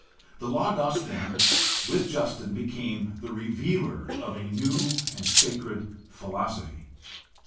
The Logos, then, with Justin became the revealer of a new and sacred philosophy.